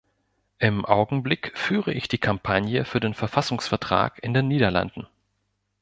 Im Augenblick führe ich die Kampagne für den Verfassungsvertrag in den Niederlanden.